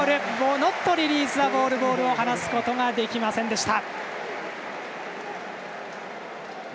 ノットリリースザボールボールを離すことはできませんでした。